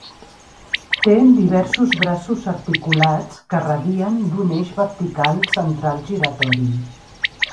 Té diversos braços articulats que radien d'un eix vertical central giratori.